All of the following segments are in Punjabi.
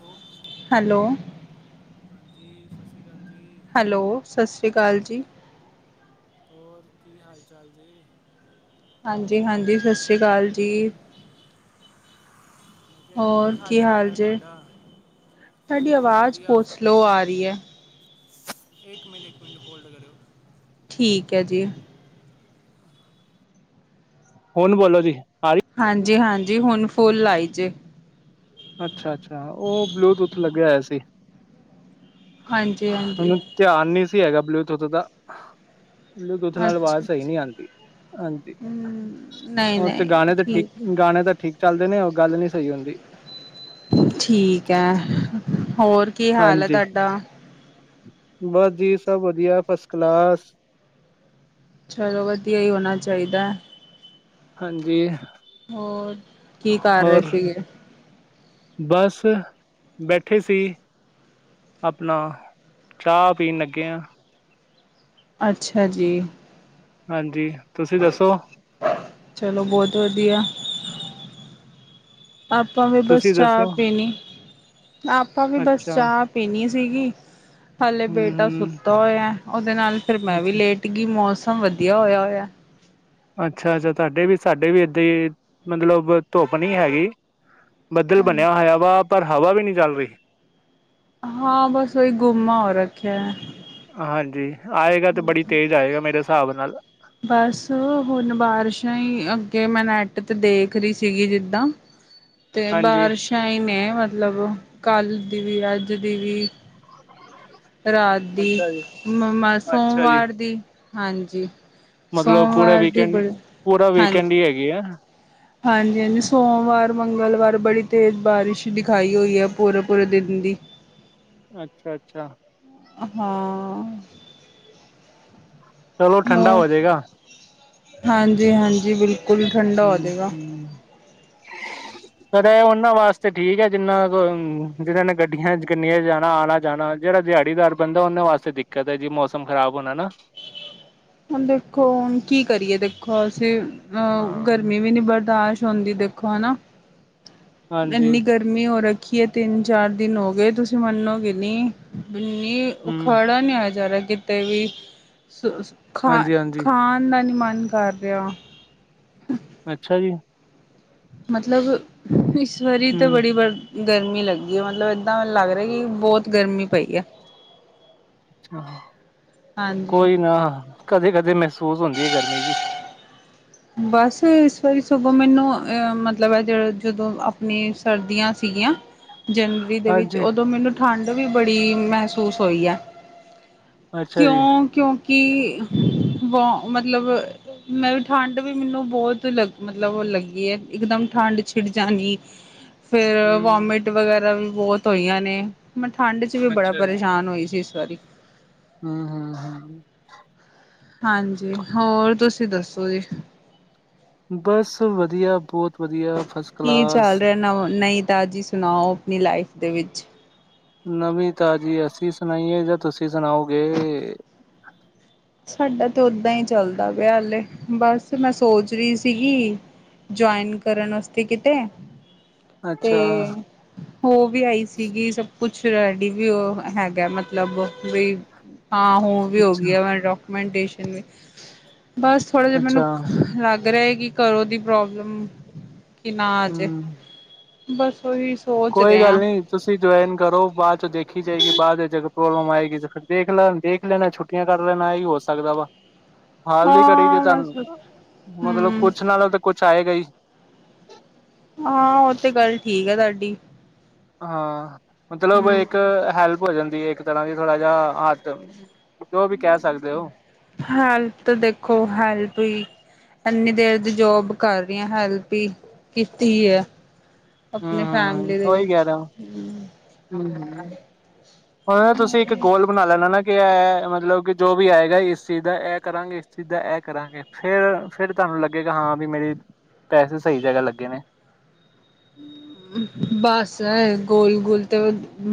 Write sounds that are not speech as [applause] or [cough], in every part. ਹੈਲੋ ਹੈਲੋ ਹਾਂਜੀ ਸਾਸਰੀ ਕਾਲ ਜੀ। ਹੈਲੋ ਸਾਸਰੀ ਕਾਲ ਜੀ। ਹੋਰ ਕੀ ਹਾਲ-ਚਾਲ ਜੇ? ਹਾਂਜੀ-ਹਾਂਜੀ ਸਾਸਰੀ ਕਾਲ ਜੀ। ਜੀ ਕੀ ਹੋਰ ਹਾਲ-ਚਾਲ ਹਾਲ ਐ ਜੇ ਤੁਹਾਡਾ? ਤੁਹਾਡੀ ਬਹੁਤ ਆਵਾਜ਼ ਵਧੀਆ ਬਹੁਤ ਸਲੋ ਆ ਰਹੀ ਏ। ਇੱਕ ਮਿੰਟ ਇੱਕ ਮਿੰਟ ਹੋਲਡ ਕਰਿਓ। ਠੀਕ ਐ ਜੀ। ਹੁਣ ਬੋਲੋ ਜੀ। ਆ ਰਹੀ ਹਾਂਜੀ-ਹਾਂਜੀ ਹੁਣ ਫੁੱਲ ਆਾਈ ਜੇ। ਅੱਛਾ-ਅੱਛਾ ਉਹ ਬਲੂਟੂਥ ਲੱਗਿਆ ਹੋਇਆ ਸੀ। ਹਾਂਜੀ-ਹਾਂਜੀ। ਮੈਨੂੰ ਧਿਆਨ ਨੀ ਸੀ ਹੈਗਾ ਬਲੂਟੂਥ ਦਾ, ਬਲੂਟੂਥ ਨਾਲ ਅੱਛਾ ਆਵਾਜ਼ ਸਹੀ ਨੀ ਆਂਦੀ। ਹਾਂਜੀ, ਹਮ ਨਹੀਂ ਹੁਣ ਤੇ ਨਹੀਂ ਗਾਣੇ ਤਾਂ ਠੀਕ ਗਾਣੇ ਤਾਂ ਠੀਕ ਚੱਲਦੇ ਨੇ ਉਹ ਗੱਲ ਨੀ ਸਹੀ ਹੁੰਦੀ। ਠੀਕ ਐ, ਹੋਰ। ਕੀ ਹਾਲ ਹੈ ਹਾਂਜੀ, ਤੁਹਾਡਾ ਬਸ ਜੀ ਸਭ ਵਧੀਆ ਫਸ ਕਲਾਸ। ਚਲੋ ਵਧੀਆ ਈ ਹੋਣਾ ਚਾਹੀਦਾ। ਹਾਂਜੀ ਹੋਰ, ਕੀ ਕਰ ਰਹੇ ਹੋਰ ਸੀਗੇ? ਬਸ, ਬੈਠੇ ਸੀ। ਆਪਣਾ, ਚਾਹ ਪੀਣ ਲੱਗੇ ਆ। ਅੱਛਾ ਜੀ। ਹਾਂਜੀ, ਤੁਸੀਂ ਦੱਸੋ। ਚਲੋ ਬਹੁਤ ਵਧੀਆ। ਆਪਾਂ ਵੀ ਬਸ ਤੁਸੀਂ ਚਾਹ ਦੱਸੋ ਪੀਣੀ, ਆਪਾਂ ਵੀ ਬਸ ਅੱਛਾ ਚਾਹ ਪੀਣੀ ਸੀਗੀ ਹਲੇ ਹਮ ਬੇਟਾ ਹਮ ਸੁੱਤਾ ਹੋਇਆ ਉਹਦੇ ਨਾਲ ਫੇਰ ਮੈਂ ਵੀ ਅੱਛਾ ਲੇਟ ਗੀ ਮੌਸਮ ਵਧੀਆ ਹੋਇਆ ਹੋਇਆ। ਅੱਛਾ-ਅੱਛਾ ਤੁਹਾਡੇ ਵੀ ਸਾਡੇ ਵੀ ਏਦਾਂ ਈ, ਮਤਲਬ ਧੁੱਪ ਨੀ ਹੈਗੀ। ਬੱਦਲ ਬਣਿਆ ਹੋਇਆ ਵਾ ਪਰ ਹਵਾ ਵੀ ਨੀ ਚੱਲ ਰਹੀ। ਹਾਂ ਬਸ ਉਹੀ ਗੁੰਮਾ ਹੋ ਰੱਖਿਆ। ਹਾਂਜੀ, ਆਏਗਾ ਤੇ ਬੜੀ ਤੇਜ਼ ਆਏਗਾ ਮੇਰੇ ਹਿਸਾਬ ਨਾਲ। ਬਸ ਹੁਣ ਬਾਰਿਸ਼ਾਂ ਹੀ ਅੱਗੇ ਮੈਂ ਨੈਟ ਤੇ ਦੇਖ ਰਹੀ ਸੀਗੀ ਜਿੱਦਾਂ ਤੇ ਹਾਂਜੀ ਬਾਰਿਸ਼ਾਂ ਹੀ ਨੇ ਮਤਲਬ, ਕੱਲ ਦੀ ਵੀ ਅੱਜ ਦੀ ਵੀ। ਰਾਤ ਦੀ, ਅੱਛਾ ਜੀ ਅੱਛਾ ਜੀ ਸੋਮਵਾਰ ਦੀ, ਹਾਂਜੀ। ਮਤਲਬ ਪੂਰਾ ਸੋਮਵਾਰ ਦੀ ਵੀਕਐਂਡ, ਬੜੀ ਪੂਰਾ ਵੀਕਐਂਡ ਹੀ ਹੈਗੀ ਏ। ਹਾਂਜੀ-ਹਾਂਜੀ ਸੋਮਵਾਰ, ਮੰਗਲਵਾਰ ਬੜੀ ਤੇਜ਼ ਬਾਰਿਸ਼ ਦਿਖਾਈ ਹੋਈ ਏ ਪੂਰੇ-ਪੂਰੇ ਦਿਨ ਦੀ। ਅੱਛਾ-ਅੱਛਾ। ਹਾਂ। ਚਲੋ ਠੰਡਾ ਹੋਰ, ਹੋ ਜਾਏਗਾ ਹਾਂਜੀ-ਹਾਂਜੀ ਬਿਲਕੁਲ ਠੰਡਾ ਹੋਜੇਗਾ। [inaudible] ਤਦੇ ਓਨਾਂ ਵਾਸਤੇ ਠੀਕ ਐ ਜਿੰਨਾ ਕੋ ਜਿਨਾਂ ਨੇ ਗੱਡੀਆਂ ਕਿੰਨੇ ਜਾਣਾ -ਆਣਾ -ਜਾਣਾ। ਜੇੜਾ ਦਿਆੜੀਦਾਰ ਬੰਦਾ ਓਨਾਂ ਵਾਸਤੇ ਦਿੱਕਤ ਐ ਜੀ ਮੌਸਮ ਖਰਾਬ ਹੋਣਾ ਨਾ। ਹੁਨ ਦੇਖੋ ਹੁਨ ਕੀ ਕਰੀਏ ਦੇਖੋ ਅਸੀ ਹਾਂ ਗਰਮੀ ਵੀ ਨੀ ਬਰਦਾਸ਼ਤ ਹੁੰਦੀ ਦੇਖੋ ਖਾਨਾ ਹਾਂਜੀ ਏਨੀ ਗਰ ਮੀ ਹੋ ਰੱਖੀ ਏ ਤਿੰਨ ਚਾਰ ਦਿਨ ਹੋ ਗਏ ਤੁਸੀ ਮੰਨੋਗੇ ਨੀ ਬਿੰਨੀ। ਓ ਹਮ ਖੜਾ ਨੀ ਹੋਇਆ ਜਾ ਰਿਆ ਕਿਤੇ ਵੀ ਸੁਸ ਖਾਨ ਹਾਂਜੀ ਹਾਂਜੀ ਖਾਨ ਦਾ ਨੀ ਮਨ ਕਰ ਰਿਆ। ਅੱਛਾ ਜੀ। ਮਤਲਬ ਇਸ ਵਾਰੀ ਤਾ ਹਮ ਬੜੀ ਵਰ ਗਰਮੀ ਲੱਗੀ ਮਲਬ ਏਦਾਂ ਲੱਗ ਰੇਆ ਕਿ ਬੌਤ ਗਰਮੀ ਪਈ ਆ। ਆਹ ਹਾਂਜੀ ਕੋਈ ਨਾ ਕਦੇ- ਕਦੇ ਮਹਿਸੂਸ ਹੁੰਦੀ ਏ ਗਰਮੀ ਵੀ। ਬਸ ਇਸ ਵਾਰੀ ਸਗੋਂ ਮੈਨੂੰ ਅ ਮਤਲਬ ਐ ਜ ਜਦੋਂ ਅਪਨੇ ਸਰਦੀਆਂ ਸੀਗੀਆਂ ਜਨਵਰੀ ਦੇ ਵਿੱਚ ਹਾਂਜੀ ਉਦੋ ਮੈਨੂੰ ਠੰਡ ਵੀ ਬੜੀ ਮਹਿਸੂਸ ਹੋਈ ਆ। ਅੱਛਾ ਜੀ ਕਿਓਂ ਕਿਉਂਕਿ ਬ ਮਤਲਬ ਮੈਂ ਵੀ ਠੰਡ ਵੀ ਮੈਨੂੰ ਬੌਤ ਲੱਗ ਮਤਲਬ ਲੱਗੀ ਐ ਇਕਦਮ ਠੰਡ ਛਿੜ ਜਾਨੀ ਫੇਰ ਹਮ ਵੋਮਿਟ ਵਗੈਰਾ ਵੀ ਬੌਤ ਹੋਈਆਂ ਨੇ ਮੈ ਠੰਡ ਚ ਵੀ ਬੜਾ ਅੱਛਾ ਪਰੇਸ਼ਾਨ ਹੋਈ ਸੀ ਇਸ ਵਾਰੀ ਹੰ -ਹੰ -ਹੰ- ਹੰ। ਹਾਂਜੀ, ਹੋਰ ਤੁਸੀ ਦੱਸੋ ਜੀ? ਬਸ, ਵਦੀਆ ਬੌਤ ਕੀ ਚੱਲ ਰਿਆ ਨਵ ਨਈ ਤਾਜੀ ਸੁਨਾਓ ਆਪਨੀ ਲਾਈਫ ਦੇ ਵਿੱਚ? ਨਵੀਂ ਤਾਜੀ ਅਸੀ ਸੁਨਾਈਏ ਯਾ ਤੁਸੀ ਸੁਨਾਓਗੇ। ਸਾਡਾ ਤੇ ਓਦਾਂ ਈ ਚੱਲਦਾ ਪਿਆ ਹਲੇ ਬਸ ਮੈ ਸੋਚ ਰੀ ਸੀਗੀ ਜੁਆਇਨ ਕਰਨ ਅਸਤੇ ਕਿਤੇ ਤੇ ਅੱਛਾ ਹੋ ਵੀ ਆਈ ਸੀਗੀ ਸੱਬ ਕੁਛ ਰੈਡੀ ਵੀ ਓ ਹੈਗਾ ਮਤਲਬ ਵੀ ਹਾਂ ਹੋਗੀ, ਹੋਗੀ ਅੱਛਾ ਆ [unintelligible] ਵੀ ਬਸ‌ ਥੋੜਾ ਜਿਆ ਮੈਨੂੰ ਅੱਛਾ ਲੱਗ ਰੇਆ ਕਿ ਘਰੋਂ ਦੀ ਪ੍ਰੋਬਲਮ ਕਿ ਨਾ ਆ ਜੇ ਹੂੰ ਬੱਸ ਓਈ ਕੋਈ ਗੱਲ ਨੀ ਤੁਸੀ ਜਆਇਨ ਕਰੋ ਬਾਅਦ ਚੋ ਦੇਖੀ ਜਾਏਗੀ ਬਾਅਦ ਏਚ ਜ ਪ੍ਰੋਬਲਮ ਆਏਗੀ ਫੇਰ ਦੇਖ ਲਾਂਗੇ ਦੇਖ ਏਨਦੀਆਂ ਮੈ ਛੁੱਟੀਆਂ ਕੱਟ ਲੈਨਾਂ ਐਈ ਹੋ ਸਕਦਾ ਵਾ। [inaudible] ਹਾਲ ਦੀ ਘੜੀ ਤੇ ਹਾਂ ਤਾਨ ਬਸ ਮਤਲਬ ਹਮ ਕੁਛ ਨਾਲੋ ਤਾ ਕੁਛ ਆਏਗਾ ਈ। ਹਾਂ ਓ ਤੇ ਗੱਲ ਠੀਕ ਐ ਤਾਡੀ। ਹਾਂ, ਮਤਲਬ ਹਮ ਏਕ ਹੈਲਪ ਹੋ ਜਾਂਦੀ ਏ ਇੱਕ ਤਰ੍ਹਾਂ ਦੀ ਥੋੜਾ ਜੇਆ ਹੱਥ ਜੋ ਵੀ ਕੈ ਸਕਦੇ ਓ। ਹੈਲਪ ਤੇ ਦੇਖੋ ਹੈਲਪ ਈ ਐਨੀਂ ਦੇਰ ਦੀ ਜੋਬ ਕਰ ਰੀ ਆਂ ਹੈਲਪ ਈ ਕੀਤੀ ਐ। ਹੰ -ਹੰ -ਹੰ ਓਈ ਕੈ ਰੇਆ ਹੁੰ ਹੁੰ। ਓਦਾ ਤੁਸੀ ਇੱਕ ਗੋਲ ਬਨਾ ਲੈਨਾ ਨਾ ਕਿਆ ਮਤਲਬ ਕਿ ਜੋ ਵੀ ਆਏਗਾ ਇਸ ਚੀਜ਼ ਦਾ ਐ ਕਰਾਂਗੇ ਇਸ ਚੀਜ਼ ਦਾ ਐ ਕਰਾਂਗੇ ਫੇਰ, ਫੇਰ ਤਾਨੂੰ ਲੱਗੇ ਗਾ ਹਾਂ ਬੀ ਮੇਰੇ ਪੈਸੇ ਸਈ ਜਗ੍ਹਾ ਲੱਗੇ ਨੇ। ਬਸ, ਗੋਲ- ਗੋਲ ਤੇ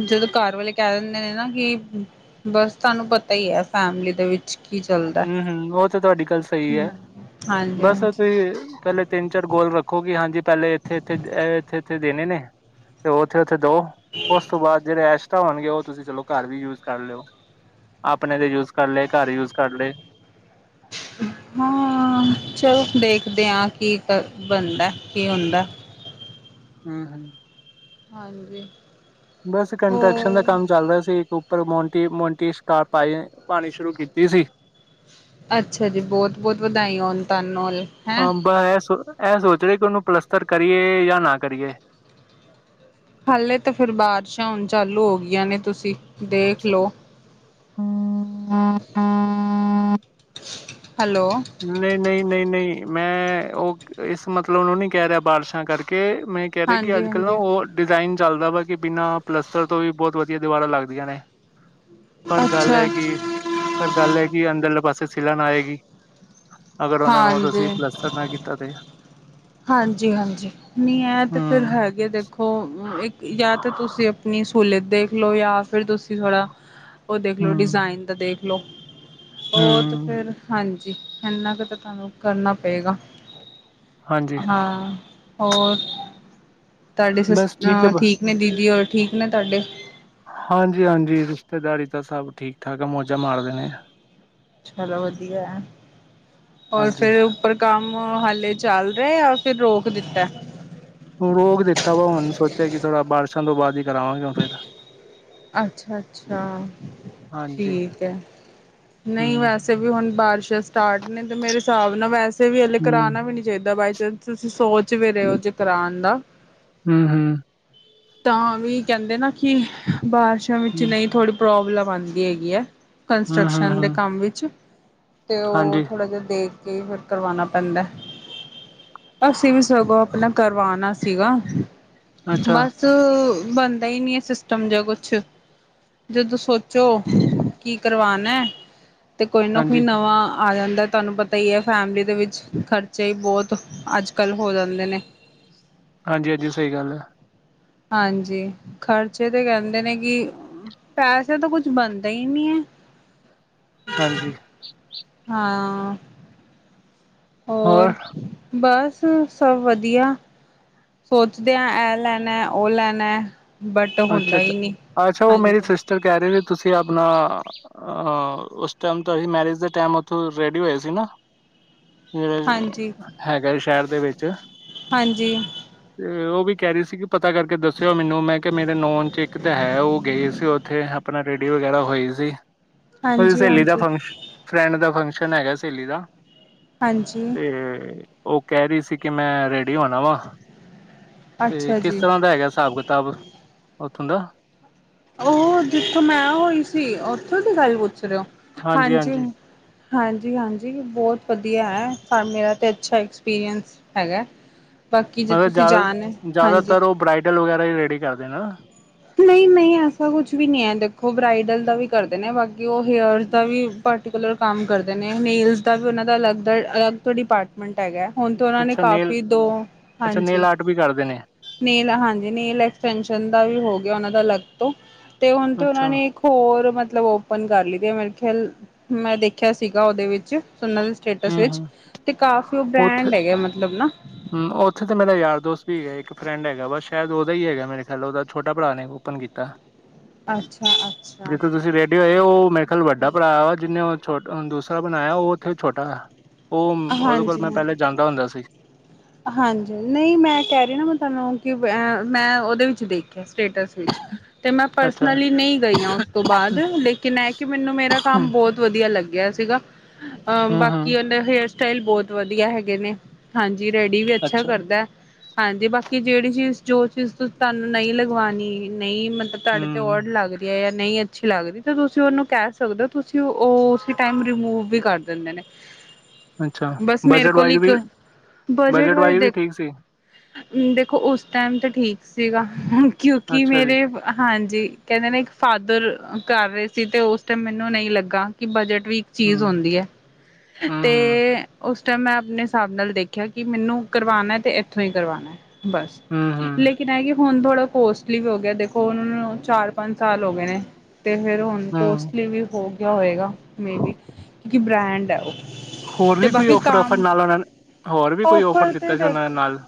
ਜਦੋ ਘਰ ਵਾਲੇ ਕੈ ਦੇਂਦੇ ਨੇ ਨਾ ਕਿ ਬਸ ਤਾਨੂੰ ਪਤਾ ਈ ਐ ਫੈਮਿਲੀ ਦੇ ਵਿੱਚ ਕੀ ਚੱਲ ਹੂੰ-ਹੂੰ ਓ ਤੇ ਤੁਹਾਡੀ ਗੱਲ ਸਈ ਐ ਹਾਂਜੀ ਬਸ ਆ ਹਾਂਜੀ ਤੁਹੀ ਪੈਲੇ ਤਿੰਨ ਚਾਰ ਗੋਲ ਰੱਖੋ ਕਿ ਹਾਂਜੀ ਪੈਲੇ ਇੱਥੇ-ਇਥੇ, ਇੱਥੇ-ਇੱਥੇ ਦੇਨੇ ਨੇ ਤੇ ਉਥੇ-ਉਥੇ ਦੋ। ਉਸ ਤੋਂ ਬਾਦ ਜੇੜੇ ਐਸ਼ ਤਾਂ ਹੋਣਗੇ ਉਹ ਤੁਸੀਂ ਚਲੋ ਘਰ ਵੀ ਯੂਜ ਕਰ ਲਿਓ ਆਪਣੇ ਦੇ ਯੂਜ ਕਰ ਲੇ ਘਰ ਯੂਜ ਕਰ ਲੇ। ਹਾਂ ਚਲੋ ਦੇਖਦੇ ਆ ਕੀ ਕ ਹੂੰ ਬਣਦਾ ਕੀ ਹੁੰਦਾ। ਹੂੰ-ਹੂੰ। ਹਾਂਜੀ। ਬਸ ਕੰਸਟਰਕਸ਼ਨ ਦਾ ਹੋਰ ਕੰਮ ਚਲ ਰਿਆ ਸੀ ੳ ਪਰ ਮੋੰਟੀ-ਮੋੰਟੀ ਸ਼ਕਾਪ ਪਾਈ ਪਾਣੀ ਸ਼ੁਰੂ ਕੀਤੀ ਸੀ। ਅੱਛਾ ਜੀ ਬੋਤ-ਬੋਤ ਵਧਾਈਆਂ ਹੋਣ ਤੁਹਾਨੂੰ ਲ ਹਾਂ ਬ ਐ ਸੋ ਐ ਸੋਚ ਰਹੇ ਕਿ ਉਨੂੰ ਪਲੱਸਤਰ ਕਰੀਏ ਯਾ ਨਾ ਕਰੀਏ। ਹੱਲੇ ਤੇ ਫਿਰ ਬਾਰਿਸ਼ਾਂ ਹੁਣ ਚਾਲੂ ਹੋ ਗਈਆਂ ਨੇ ਤੁਸੀਂ ਦੇਖ ਲੋ। ਹੂੰ [unintelligible] ਹੈਲੋ ਨਈ-ਨਈ, ਨਈ-ਨਈ ਮੈਂ ਉਹ ਇਸ ਮਤਲਬ ਨੂੰ ਨੀ ਕੈ ਰਿਆ ਬਾਰਿਸ਼ਾਂ ਕਰਕੇ ਮੈਂ ਕੈ ਰੇ ਕਿ ਹਾਂਜੀ ਅੱਜ ਕੱਲ ਨਾ ਹਾਂਜੀ ਉਹ ਡਿਜ਼ਾਇਨ ਚੱਲਦਾ ਵਾ ਕਿ ਬਿਨਾਂ ਪਲੱਸਤਰ ਤੋਂ ਵੀ ਬੋਤ ਵਧੀਆ ਦੀਵਾਰਾਂ ਲੱਗਦੀਆਂ ਨੇ। ਪਰ ਗੱਲ ਅੱਛਾ ਐ ਕਿ, ਪਰ ਗੱਲ ਐ ਕਿ ਅੰਦਰਲੇ ਪਾਸੇ ਸਿਲਾਨ ਆਏਗੀ। ਅਗਰ ਉਨਾਂ ਨੂੰ ਹਾਂਜੀ ਤੁਸੀਂ ਪਲੱਸਤਰ ਨਾ ਕੀਤਾ ਤੇ। ਹਾਂਜੀ-ਹਾਂਜੀ ਨੀ ਐ ਤੇ ਫਿਰ ਹਮ ਹੈਗੇ ਦੇਖ ਉਹ ਇੱਕ ਯਾ ਤੇ ਤੁਸੀਂ ਅਪਨੀ ਸਹੂਲਤ ਦੇਖ ਲੋ ਯਾ ਫਿਰ ਤੁਸੀਂ ਥੋੜ੍ਹਾ ਉਹ ਦੇਖਲੋ ਹਮ ਡਿਜ਼ਾਇਨ ਦਾ ਦੇਖ ਲੋ ਉਹ ਹਮ ਫਿਰ ਹਾਂਜੀ ਇੰਨਾ ਕੁ ਤਾਂ ਤੁਹਾਨੂੰ ਕਰਨਾ ਪਏਗਾ। ਹਾਂਜੀ ਹਾਂ ਹੋਰ ਤੁਹਾਡੀ ਸੀਸ ਬਸ ਠੀਕ ਹੈ ਹਾਂ ਬ ਠੀ ਦੀਦੀ ਹੋਰ ਠੀਕ ਨੇ ਤਾਡੇ। ਹਾਂਜੀ-ਹਾਂਜੀ ਰਿਸ਼ਤੇਦਾਰੀ ਤਾ ਸਭ ਠੀਕ ਠਾਕ ਮੌਜਾਂ ਮਾਰਦੇ ਨੇ। ਚਲੋ ਵਧੀਆ ਐ ਹੋਰ ਹਾਂਜੀ ਫਿਰ ਉਪਰ ਕੰਮ ਹਾਲੇ ਚੱਲ ਰਿਆ ਯਾ ਫਿਰ ਰੋਕ ਦਿੱਤਾ। ਰੋਕ ਦਿੱਤਾ ਹੁਣ ਸੋਚਾ ਕਿ ਥੋੜ੍ਹਾ ਬਾਰਿਸ਼ਾਂ ਤੋਂ ਬਾਦ ਈ ਕਰਵਾਂਗੇ [unintelligible] ਅੱਛਾ-ਅੱਛਾ ਹਾਂਜੀ ਠੀਕ ਐ ਹੂੰ ਨਈ ਵੈਸ ਵੀ ਹੁਣ ਬਾਰਿਸ਼ਾਂ ਸਟਾਰਟ ਨੇ ਤੇ ਮੇਰੇ ਹਸਾਬ ਨਾਲ ਵੈਸੇ ਵੀ ਹਲੇ ਹੂੰ ਕਰਾਣਾ ਵੀ ਨੀ ਚਾਈਦਾ ਬਾਈ ਚਾਂਸ ਤੁਸੀਂ ਸੋਚ ਵੀ ਰਹੇ ਔ ਜੇ ਕਰਾਨ ਦਾ। ਹੂੰ-ਹੂੰ। ਤਾਂ ਵੀ ਕੇੰਦੇ ਨਾ ਕਿ ਬਾਰਿਸ਼ਾਂ ਵਿੱਚ ਹੂੰ ਨਈ ਥੋੜ੍ਹੀ ਪ੍ਰੋਬਲਮ ਆੰਦੀ ਹੈਗੀ ਐ। ਹੂੰ ਹੂੰ ਕੰਸਟਰਕਸ਼ਨ ਦੇ ਹੂੰ ਕੰਮ ਵਿੱਚ ਤੇ ਓ ਹਾਂਜੀ ਥੋੜ੍ਹਾ ਜਾ ਦੇਖ ਕੇ ਫਿਰ ਕਰਵਾਉਣਾ ਪੈਂਦਾ। ਅਸੀਂ ਵੀ ਸਗੋਂ ਅਪਨਾ ਕਰਵਾਣਾ ਸੀਗਾ ਅੱਛਾ ਬਸ ਚ ਬਣਦਾ ਈ ਨੀ ਆ ਸਿਸਟਮ ਜਿਆ ਕੁਛ। ਜਦੋਂ ਸੋਚੋ ਕੀ ਕਰਵਾਣਾ ਤੇ ਕੋਈ ਨਾ ਕੋਈ ਹਾਂਜੀ ਨਵਾਂ ਆ ਜਾਂਦਾ ਏ ਤੁਹਾਨੂੰ ਪਤਾ ਈ ਏ ਫੈਮਿਲੀ ਦੇ ਵਿੱਚ ਖਰਚੇ ਈ ਬੋਤ ਅੱਜ-ਕੱਲ ਹੋ ਜਾਂਦੇ ਨੇ। ਹਾਂਜੀ-ਹਾਂਜੀ ਸਈ ਗੱਲ ਐ। ਹਾਂਜੀ ਖ਼ਰਚੇ ਤੇ ਕੈਂਦੇ ਨੇ ਕਿ ਪੈਸੇ ਤਾਂ ਕੁੱਝ ਬਣਦਾ ਈ ਨੀ ਐ। ਹਾਂਜੀ ਹਾਂ ਹੋਰ ਬਸ ਸਭ ਵਧੀਆ। ਸੋਚਦੇ ਆਂ ਐ ਲੈਣਾ ਉਹ ਲੈਣਾ ਬਟ ਅੱਛਾ ਹੁੰਦਾ ਅੱਛਾ ਈ ਨੀ ਅੱਛਾ ਉਹ ਮੇਰੀ ਹਾਂਜੀ। ਸਿਸਟਰ ਕਹਿ ਰਹੇ ਸੀ ਤੁਸੀਂ ਆਪਣਾ। ਅ ਉਸ ਟਾਈਮ ਤਾਂ ਅਸੀਂ ਮੈਰਿਜ ਦੇ ਟੈਮ ਉਥੋਂ ਰੈਡੀ ਹੋਏ ਸੀ ਨਾ। ਹਮ ਹਾਂਜੀ ਹੈਗਾ ਏ ਸ਼ਹਿਰ ਦੇ ਵਿੱਚ। ਹਾਂਜੀ ਤੇ ਉਹ ਵੀ ਕਹਿ ਰਹੀ ਸੀ ਕਿ ਪਤਾ ਕਰਕੇ ਦੱਸਿਓ ਮੈਨੂੰ। ਕਿ ਮੇਰੇ ਨੋਨ ਚ ਇੱਕ ਤਾਂ ਹੈ ਉਹ ਗਏ ਸੀ ਉੱਥੇ ਆਪਣਾ ਰੇਡੀ ਵਗੈਰਾ ਹੋਈ ਸੀ। ਓਦੀ ਹਾਂਜੀ ਸੇਲੀ ਦਾ ਹਾਂਜੀ ਫੰਕਸ਼ਨ। ਫਰੈਂਡ ਦਾ ਫੰਕਸ਼ਨ ਹੈਗਾ ਸੇਲੀ ਦਾ ਹਾਂਜੀ ਤੇ। ਉਹ ਕਹਿ ਰਹੀ ਸੀ ਕਿ ਮੈਂ ਰੈਡੀ ਹੋਣਾ ਵਾ ਤੇ ਅੱਛਾ ਕਿਸ ਜੀ ਤਰ੍ਹਾਂ ਦਾ ਹੈਗਾ ਸਾਬ। ਤਬ। ਉੱਥੋਂ ਨਾ। ਉਹੋ ਜਿੱਥੋਂ ਮੈਂ ਹੋਈ ਸੀ ਓਥੋਂ ਦੀ ਗੱਲ ਪੁੱਛ ਰਹੇ ਹੋ ਹਾਂਜੀ। ਹਾਂਜੀ-ਹਾਂਜੀ ਬੋਤ ਵਧੀਆ ਹੈ ਮੇਰਾ ਤਾਂ ਅੱਛਾ ਐਕਸਪੀਰੀਅੰਸ ਹੈਗਾ। ਬਾਕੀ ਜੇ ਤੁਸੀਂ ਜਾਣ ਹਾਂਜੀ ਜ਼ਿਆਦਾਤਰ ਉਹ ਬਰਾਈਡਲ ਵਗੈਰਾ ਈ ਰੈਡੀ ਕਰਦੇ ਨਾ। ਨਹੀਂ ਨਹੀਂ ਏਸਾ ਕੁਛ ਵੀ ਨਹੀਂ ਹੈ ਦੇਖੋ ਬਰਾਈਡਲ ਦਾ ਵੀ ਕਰਦੇ ਨੇ ਬਾਕੀ ਉਹ ਹੇਅਰ ਦਾ ਵੀ। ਪਟੀਕੁਲਰ ਕੰਮ ਕਰਦੇ ਨੇ ਮੇਲਸ ਦਾ ਵੀ ਉਨਾਂ ਦਾ ਅਲੱਗ ਦਾ ਅਲੱਗ ਤੋਂ ਡਿਪਾਰਟਮੈਂਟ ਹੈਗਾ। ਹੁਣ ਤਾਂ ਉਨਾਂ ਨੇ ਅੱਛਾ ਨੇਲ ਕਾਫੀ ਦੋ ਅੱਛਾ ਹਾਂਜੀ। ਨੇਲ ਆਰਟ ਵੀ ਕਰਦੇ ਨੇ ਨੇਲ ਹਾਂਜੀ ਨੇਲ ਐਕਸਟੇਂਸ਼ਨ ਦਾ ਵੀ ਹੋ ਗਿਆ ਉਨਾਂ ਦਾ ਅਲੱਗ ਤੋਂ ਤੇ ਹੁਣ ਤੋਂ ਉਹਨਾ ਅੱਛਾ ਨੇ। ਹੋਰ ਮਤਲਬ ਓਪਨ ਕਰ ਲਈਦੀ ਏ ਮੇਰਾ ਖਿਆਲ ਮੈਂ ਦੇਖਿਆ ਸੀਗਾ ਉਹਦੇ ਵਿੱਚ ਉਨਾਂ ਦੇ। ਸਟੇਟਸ ਹੂੰ ਵਿਚ ਹੂੰ ਤੇ ਕਾਫੀ ਉਹ ਬ੍ਰੈਂਡ ਐਗੇ ਮਤਲਬ ਨਾ। ਹਮ ਉੱਥੇ ਤਾਂ ਮੇਰਾ ਯਾਰ ਦੋਸਤ ਵੀ ਹੈਗਾ ਇੱਕ ਫਰੈਂਡ ਹੈਗਾ ਬਸ ਸ਼ਾਇਦ ਉਹਦਾ ਈ ਹੈਗਾ ਮੇਰੇ ਖਿਆਲ ਉਹਦਾ ਛੋਟਾ ਭਰਾ ਨੇ ਓਪਨ ਕੀਤਾ। [inaudible] ਅੱਛਾ ਜਿੱਥੋ ਤੁਸੀਂ ਰੇਡੀ ਹੋਏ ਓ ਉਹ ਮੇਰੇ ਖਿਆਲ ਵੱਡਾ ਭਰਾ ਵਾ ਜਿਹਨੇ। ਹੁਣ ਦੂਸਰਾ ਬਣਾਇਆ ਉਹ ਉੱਥੇ ਛੋਟਾ ਉਹ ਉਹਦੇ ਕੋਲ ਹਾਂਜੀ ਮੈਂ ਹਾਂ ਪੇਲੇ ਜਾਂਦਾ ਹੁੰਦਾ ਸੀ। ਹਾਂਜੀ ਨਹੀਂ ਮੈਂ ਕਹਿ ਰਹੀ ਨਾ ਮੈਂ ਤੁਹਾਨੂੰ ਕਿ ਮੈਂ ਉਹਦੇ ਵਿੱਚ ਦੇਖਿਆ ਸਟੇਟਸ ਵਿੱਚ। ਤੇ ਮੈਂ ਅੱਛਾ ਪਰਸਨਲੀ ਨਈ ਗਈ ਆਂ ਉਸ ਤੋਂ ਬਾਦ ਲੇਕਿਨ ਇਹ ਕਿ ਮੈਨੂੰ ਮੇਰਾ ਕੰਮ ਬਹੁਤ ਵਧੀਆ ਲੱਗਿਆ। ਹੂੰ ਬਾਕੀ ਹੂੰ ਉਹ ਦੇ ਹੇਅਰ ਸਟਾਈਲ ਬਹੁਤ ਵਧੀਆ ਹੈਗੇ ਨੇ। ਜੀ ਰੈਡੀ ਵੀ ਅੱਛਾ ਕਰਦਾ। ਹਾਂਜੀ ਬਾਕੀ ਜਿਹੜੀ ਚੀਜ਼ ਜੋ ਚੀਜ਼ ਤੁਹਾਨੂੰ ਨਹੀਂ ਲਗਵਾਣੀ ਨਹੀਂ ਮਤ। ਤੁਹਾਡੇ ਤੇ ਔਡ। ਹੂੰ ਨਹੀਂ ਅੱਛੀ ਲੱਗਦੀ ਤਾਂ ਤੁਸੀਂ ਉਹਨੂੰ ਕਹਿ ਸਕਦੇ ਓ ਤੁਸੀਂ ਉਹ ਉਸ ਟਾਈਮ ਰਿਮੂਵ ਵੀ ਕਰ ਦਿੰਦੇ ਨੇ। [inaudible] ਅੱਛਾ ਬਸ ਮੇਰੇ ਬਜਟ ਕੋਲ ਵਾਈਜ਼ ਵੀ। ਇੱਕ ਬਜਟ ਵਾਈਜ਼ ਵੀ ਦੇਖੋ ਠੀਕ ਸੀ ਦੇਖੋ ਉਸ ਟਾਈਮ ਤੇ ਠੀਕ ਸੀਗਾ। ਕਿਉਂਕਿ ਅੱਛਾ ਜੀ ਮੇਰੇ। ਹਾਂਜੀ ਕਹਿੰਦੇ ਨੇ ਇੱਕ ਫਾਦਰ ਕਰ ਰਹੇ ਸੀ ਤੇ ਉਸ ਟਾਈਮ ਮੈਨੂੰ ਨਹੀਂ ਲੱਗਾ ਕਿ ਬਜਟ ਵੀ। ਚੀਜ਼ ਹੂੰ ਹੁੰਦੀ ਏ ਹੂੰ ਤੇ ਹੂੰ ਉਸ ਟੈਮ ਮੈਂ ਆਪਣੇ ਹਿਸਾਬ ਨਾਲ ਦੇਖ ਕਿ ਮੈਨੂੰ ਕਰਵਾਣਾ ਤੇ ਇੱਥੋਂ ਹੀ ਕਰਵਾਣਾ ਹੈ ਬਸ ਹੂੰ ਲੇਕਿਨ। ਹੁਣ ਥੋੜਾ ਕੋਸਟਲੀ ਵੀ ਹੋ ਗਿਆ ਦੇਖੋ ਉਨਾਂ ਨੂੰ ਚਾਰ ਪੰਜ ਸਾਲ ਹੋ ਗਏ ਨੇ ਤੇ ਫਿਰ ਹੁਣ। ਹੂੰ ਹੂੰ ਕੋਸਟਲੀ ਵੀ ਹੋ ਗਿਆ ਹੋਏਗਾ ਮੇਰੀ ਕਿਉਂਕਿ ਬ੍ਰੈਂਡ ਹੈ। ਹੋਰ ਤੇ ਵੀ ਕੋਈ ਬਾਕੀ ਔਫਰ ਔਫਰ ਕੰਮ ਨਾਲ ਉਹਨਾਂ ਨੇ ਹੋਰ ਵੀ ਕੋਈ ਔਫਰ ਤੇ ਦਿੱਤਾ ਸੀ ਉਹਨਾਂ ਦੇਖੋ ਨੇ ਨਾਲ।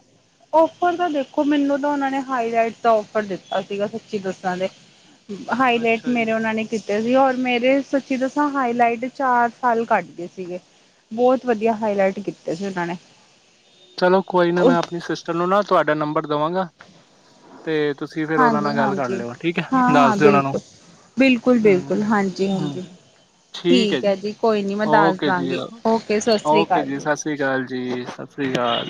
ਔਫਰ ਤਾਂ ਦੇਖੋ ਮੈਨੂੰ ਤਾਂ ਉਹਨਾਂ ਨੇ ਹਾਈ ਲਈਟ ਦਾ ਔਫਰ ਦਿੱਤਾ ਸੀਗਾ ਸੱਚੀ ਦੱਸਾਂ ਤੇ। ਹਾਈ ਲਾਈਟ ਅੱਛਾ ਮੇਰੇ ਜੀ ਉਹਨਾਂ ਨੇ। ਕੀਤੇ ਸੀ ਔਰ ਮੇਰੇ ਸਚੀ ਦਸਾ ਹਾਈ ਲਾਈਟ ਚਾਰ ਸਾਲ ਕੱਟ ਗਏ ਸੀਗੇ। ਬਹੁਤ ਵਧੀਆ ਹਾਈਲਾਈਟ ਕੀਤੇ ਸੀ ਉਹਨਾਂ ਨੇ। ਚਲੋ ਕੋਈ ਨਾ ਮੈਂ ਉਸ ਆਪਣੀ ਸਿਸਟਰ ਨੂੰ ਨਾ ਤੁਹਾਡਾ ਨੰਬਰ ਦੇਵਾਂਗਾ। ਤੇ ਤੁਸੀਂ ਫਿਰ ਉਹਨਾਂ ਨਾਲ ਗੱਲ ਕਰ ਹਾਂਜੀ-ਹਾਂਜੀ ਲਿਓ ਠੀਕ ਹੈ ਹਾ-ਹਾਂ ਦੱਸ ਦਿਓ ਉਹਨਾਂ ਨੂੰ ਬਿਲਕੁਲ ਹੂੰ, ਬਿਲਕੁਲ-ਬਿਲਕੁਲ ਹਾਂਜੀ-ਹਾਂਜੀ ਹੂੰ, ਠੀਕ ਐ ਜੀ ਕੋਈ ਨੀ ਮੈਂ ਦੱਸ ਓਕੇ ਦਾਂਗੀ ਓਕੇ ਸਤ ਸ੍ਰੀ ਅਕਾਲ ਜੀ ਸਸਰੀ ਅਕਾਲ ਜੀ ਸਸਰੀ ਅਕਾਲ